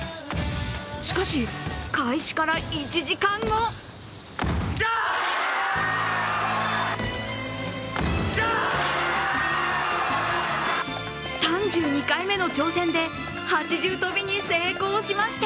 しかし開始から１時間後３２回目の挑戦で８重跳びに成功しました。